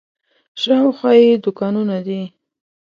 شاوخوا یې دوکانونه دي.